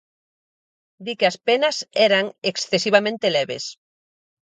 Di que as penas eran 'excesivamente leves'.